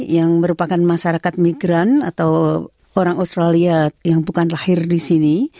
yang merupakan masyarakat migran atau orang australia yang bukan lahir di sini